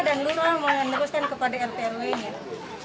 dan lura meneruskan kepada rt rw nya